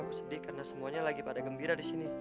aku sedih karena semuanya lagi pada gembira disini